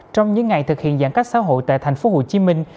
trong những ngày thực hiện giãn cách xã hội tại thành phố hồ chí minh